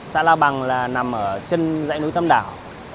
trạ lao bằng là nằm ở chân dãy núi tâm đảo